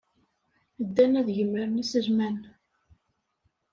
Ddan ad gemren iselman.